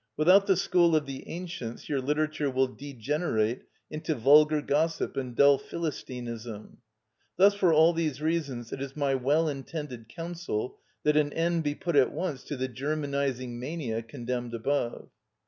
Without the school of the ancients your literature will degenerate into vulgar gossip and dull philistinism. Thus for all these reasons it is my well intended counsel that an end be put at once to the Germanising mania condemned above.